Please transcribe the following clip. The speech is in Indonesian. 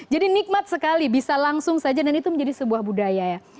jadi nikmat sekali bisa langsung saja dan itu menjadi sebuah budaya ya